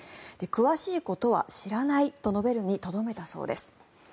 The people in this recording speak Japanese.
詳しいことは知らないと述べるにとどめたそうです。